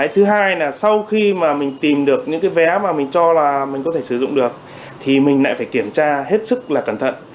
thứ hai là sau khi mà mình tìm được những cái vé mà mình cho là mình có thể sử dụng được thì mình lại phải kiểm tra hết sức là cẩn thận